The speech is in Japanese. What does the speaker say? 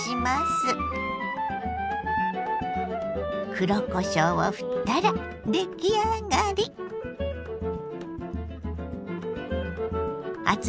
黒こしょうをふったら出来上がり！